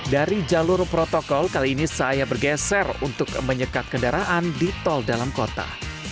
dari jalur protokol kali ini saya bergeser untuk menyekat kendaraan di tol dalam kota